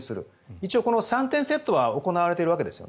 一応この３点セットは行われているわけです。